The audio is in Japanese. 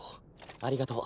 ありがとう。